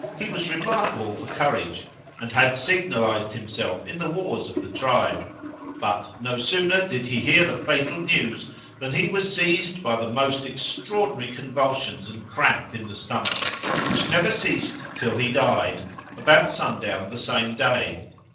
He was remarkable for courage, and had signalised himself in the wars of the tribe," but "no sooner did he hear the fatal news than he was seized by the most extraordinary convulsions and cramp in the stomach, which never ceased till he died, about sundown the same day.